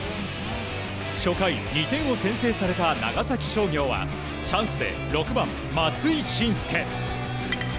初回、２点を先制された長崎商業はチャンスで６番、松井心助。